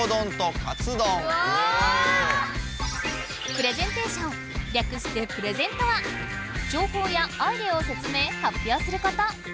「プレゼンテーション」りゃくして「プレゼン」とは情報やアイデアを説明・発表すること！